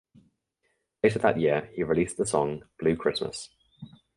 Later that year he released the song "Blue Christmas".